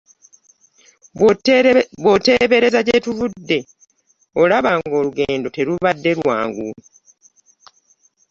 Bw'oteebereza gye tuvudde olaba nga olugendo terubadde lwangu.